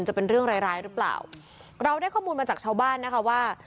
จะเป็นเรื่องร้ายร้ายหรือเปล่าเราได้ข้อมูลมาจากชาวบ้านนะคะว่า